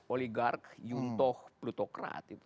oligarki yuntoh plutokrat